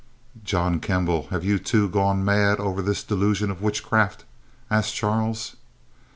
"John Kembal, have you, too, gone mad over this delusion of witchcraft?" asked Charles.